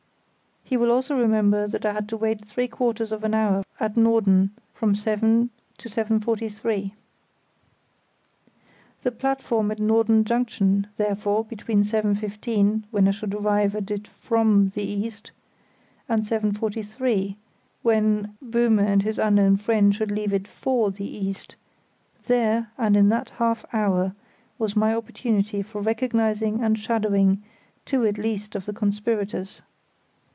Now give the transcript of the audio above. He will also remember that I had to wait three quarters of an hour at Norden, from 7 to 7.43. The platform at Norden Junction, therefore, between 7.15, when I should arrive at it from the east, and 7.43 when Böhme and his unknown friend should leave it for the east; there, and in that half hour, was my opportunity for recognising and shadowing two at least of the conspirators.